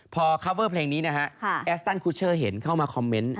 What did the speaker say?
พอคาเวอร์เพลงนี้นะฮะแอสตันคุชเชอร์เห็นเข้ามาคอมเมนต์